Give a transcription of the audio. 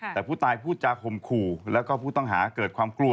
แต่ผู้ตายพูดจากข่มขู่แล้วก็ผู้ต้องหาเกิดความกลัว